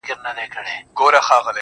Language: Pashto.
له ځانه بېل سومه له ځانه څه سېوا يمه زه.